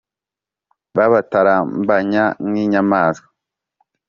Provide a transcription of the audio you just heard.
babatarambanya nk’inyamaswa